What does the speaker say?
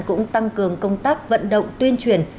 cũng tăng cường công tác vận động tuyên truyền